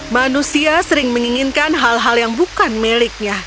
manusia sering menginginkan hal hal yang bukan miliknya